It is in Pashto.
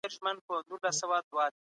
زکات د اسلام له پنځو بناوو څخه دی.